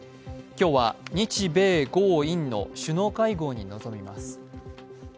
今日は日米豪印の首脳会合に臨みます。